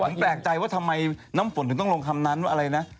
ผมแปลกใจว่าทำไมน้ำฝนถึงต้องลงคำนั้นว่าอะไรนะ